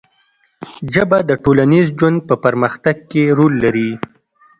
ژبه د ټولنیز ژوند په پرمختګ کې رول لري